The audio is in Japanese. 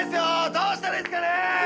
どうしたらいいっすかねー！